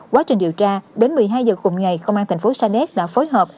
quá trình điều tra đến một mươi hai giờ cùng ngày công an thành phố sa đéc đã phối hợp